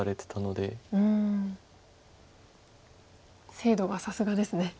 精度がさすがですね。